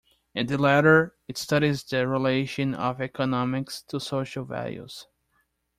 In the latter, it studies the relation of economics to social values.